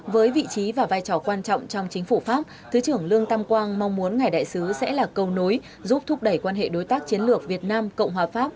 với vị trí và vai trò quan trọng trong chính phủ pháp thứ trưởng lương tam quang mong muốn ngài đại sứ sẽ là cầu nối giúp thúc đẩy quan hệ đối tác chiến lược việt nam cộng hòa pháp